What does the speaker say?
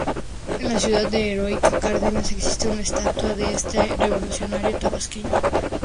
En la ciudad de Heroica Cárdenas, existe una estatua de este revolucionario tabasqueño.